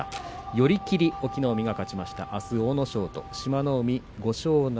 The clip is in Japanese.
寄り切りで隠岐の海が勝ちました。